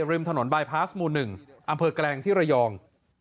ริมถนนบายพาสหมู่๑อำเภอแกลงที่ระยอง